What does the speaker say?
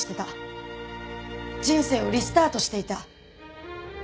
人生をリスタートしていた。